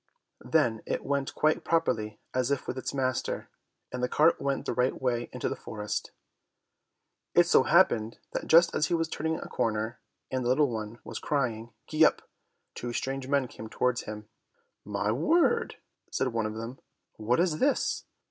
Then it went quite properly as if with its master, and the cart went the right way into the forest. It so happened that just as he was turning a corner, and the little one was crying, "Gee up," two strange men came towards him. "My word!" said one of them, "What is this?